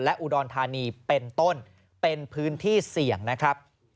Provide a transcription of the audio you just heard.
อุดรธานีเป็นต้นเป็นพื้นที่เสี่ยงนะครับ